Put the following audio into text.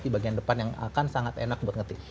di bagian depan yang akan sangat enak buat ngetik